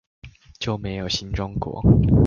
就沒有新中國